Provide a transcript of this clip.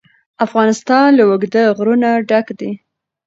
افغانستان له اوږده غرونه ډک دی.